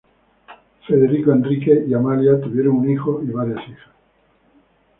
Federico Enrique y Amalia tuvieron un hijo y varias hijas.